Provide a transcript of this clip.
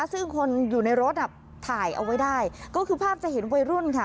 ซึ่งคนอยู่ในรถอ่ะถ่ายเอาไว้ได้ก็คือภาพจะเห็นวัยรุ่นค่ะ